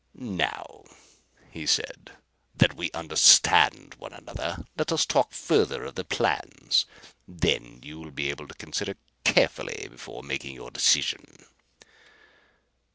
"Now," he said, "that we understand one another, let us talk further of the plans. Then you will be able to consider carefully before making your decision."